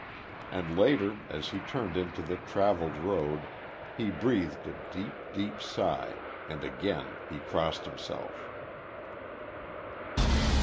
And, later, as he turned into the travelled road, he breathed a deep, deep sigh; and again he crossed himself.